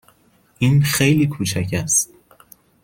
این خیلی کوچک است.